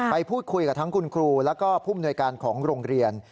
ไปพูดคุยกับทั้งคุณครูแล้วก็ผู้มนวยการของโรงเรียน